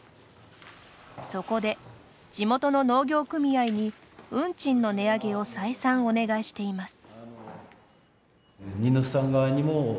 そこで、地元の農業組合に運賃の値上げを再三、お願いしています。